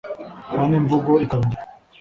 kandi imvugo ikaba ingiro